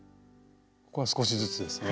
ここは少しずつですね。